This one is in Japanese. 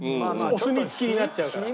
お墨付きになっちゃうから。